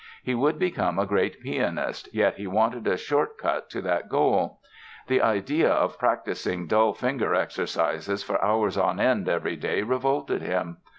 He would become a great pianist, yet he wanted a short cut to that goal. The idea of practising dull finger exercises for hours on end every day revolted him.